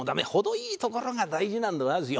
いいところが大事なんでございますよ。